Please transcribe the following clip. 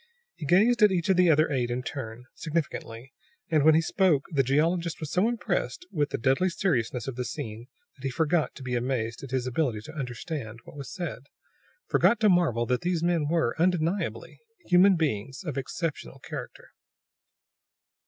He gazed at each of the other eight in turn, significantly; and when he spoke the geologist was so impressed with the deadly seriousness of the scene that he forgot to be amazed at his ability to understand what was said, forgot to marvel that these men were, undeniably, human beings of exceptional character.